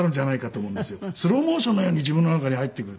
スローモーションのように自分の中に入ってくる。